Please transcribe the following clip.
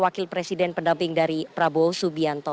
wakil presiden pendamping dari prabowo subianto